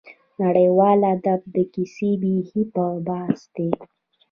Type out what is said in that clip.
نړیوال ادب او کیسه بېخي بل بحث دی.